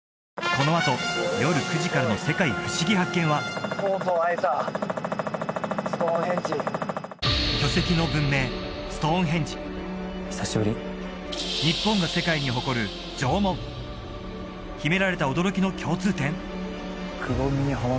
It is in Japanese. このあと夜９時からの「世界ふしぎ発見！」は日本が世界に誇る縄文秘められた驚きの共通点